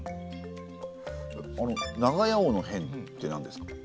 あの長屋王の変ってなんですか？